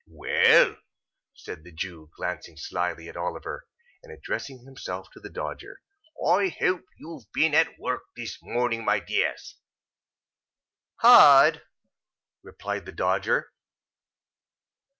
"Well," said the Jew, glancing slyly at Oliver, and addressing himself to the Dodger, "I hope you've been at work this morning, my dears?" "Hard," replied the Dodger.